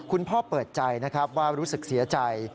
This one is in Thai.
พ่อเปิดใจนะครับว่ารู้สึกเสียใจ